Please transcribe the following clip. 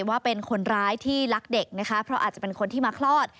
ว่าเป็นคนร้ายที่รักเด็กนะคะเพราะอาจจะเป็นคนที่มาคลอด